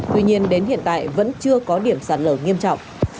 tuy nhiên đến hiện tại vẫn chưa có điểm sạt lở nghiêm trọng